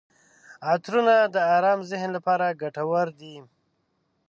عطرونه د ارام ذهن لپاره ګټور دي.